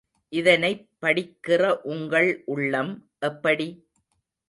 இதனைப் படிக்கிற உங்கள் உள்ளம் எப்படி?